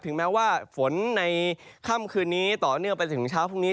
แม้ว่าฝนในค่ำคืนนี้ต่อเนื่องไปจนถึงเช้าพรุ่งนี้